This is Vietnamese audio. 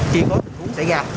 khi có tình huống xảy ra